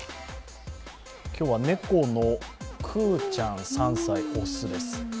今日は猫のクーちゃん３歳雄です。